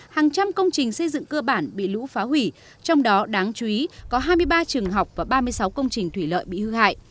hàng trăm công trình xây dựng cơ bản bị lũ phá hủy trong đó đáng chú ý có hai mươi ba trường học và ba mươi sáu công trình thủy lợi bị hư hại